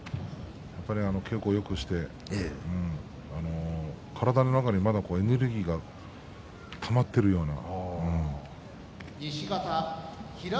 やっぱり稽古をよくして体の中にまだエネルギーがたまっているような。